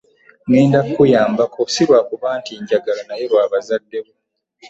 Ŋŋenda kkuyambako si lwakuba nti njagala naye lwa bazadde bo.